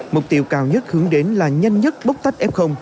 mục tiêu cao nhất hướng đến là nhanh nhất bốc tách f